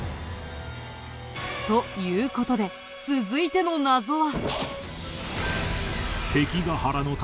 という事で続いての謎は。